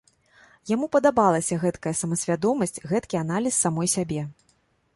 Яму падабалася гэткая самасвядомасць, гэткі аналіз самой сябе.